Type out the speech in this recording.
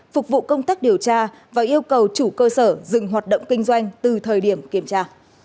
phục vụ công tác điều tra và yêu cầu chủ cơ sở dừng hoạt động kinh doanh từ thời điểm kiểm tra